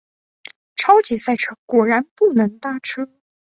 超级塞车，果然不能搭车